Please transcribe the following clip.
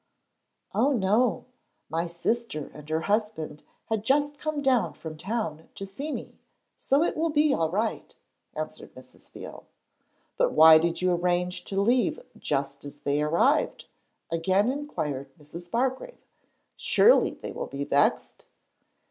'Oh no! my sister and her husband had just come down from town to see me, so it will be all right,' answered Mrs. Veal. 'But why did you arrange to leave just as they arrived?' again inquired Mrs. Bargrave. 'Surely they will be vexed?'